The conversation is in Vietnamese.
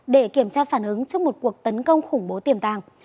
để kiểm tra phản ứng trước một cuộc tấn công khủng bố tiềm tàng